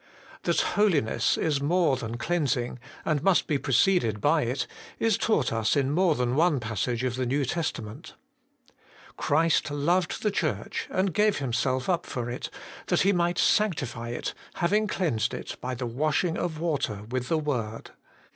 THAT holiness is more than cleansing, and must be preceded by it, is taught us in more than one passage of the New Testament. ' Christ loved the Church, and gave Himself up for it, that He might sanctify it, having cleansed it by the washing of water with the word.'